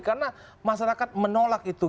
karena masyarakat menolak itu